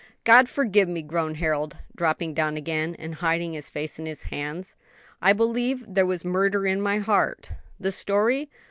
"God forgive me!" groaned Harold, dropping down again and hiding his face in his hands, "I believe there was murder in my heart." "The story?